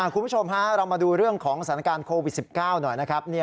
คุณผู้ชมฮะเรามาดูเรื่องของสถานการณ์โควิด๑๙หน่อยนะครับ